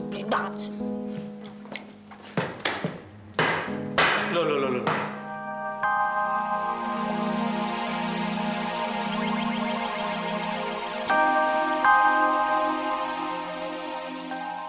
tiba tiba antur rumah sendiri